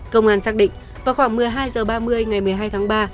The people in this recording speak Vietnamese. công an xác định vào khoảng một mươi hai h ba mươi ngày một mươi hai tháng ba